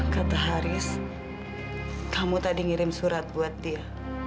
kata haris kamu tadi ngirim surat buat dia